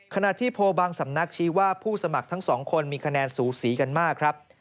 ขณะที่โพลบางสำนักชี้ว่าผู้สมัครทั้งสองคนมีคะแนนสูสีกันมากครับ